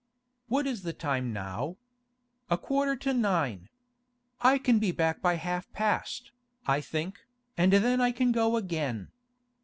'What is the time now? A quarter to nine. I can be back by half past, I think, and then I can go again.